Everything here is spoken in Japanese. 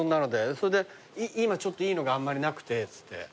それで今ちょっといいのがあんまりなくてっつって。